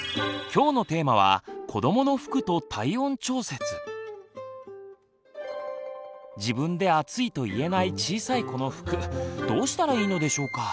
今日のテーマは自分で暑いと言えない小さい子の服どうしたらいいのでしょうか。